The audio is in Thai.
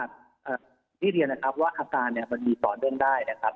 ที่เรียนนะครับว่าอาการมันมีต่อเดินได้นะครับ